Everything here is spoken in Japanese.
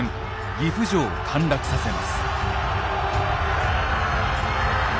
岐阜城を陥落させます。